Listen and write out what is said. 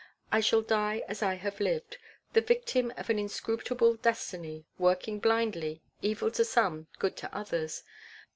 I shall die as I have lived, the victim of an inscrutable destiny, working blindly, evil to some, good to others.